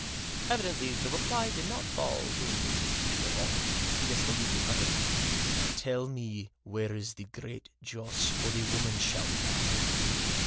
Evidently the reply did not fall in with his view at all ; he disbelieved it utterly. " Tell me where is the Great Joss, or the woman shall die."